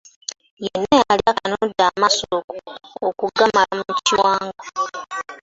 Yenna yali akanudde amaaso okugamala mu kiwanga.